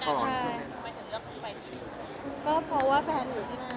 คือจะไปมามาก่อน